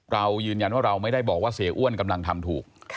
เรายืนยันว่าเราไม่ได้บอกว่าเสียอ้วนกำลังทำถูก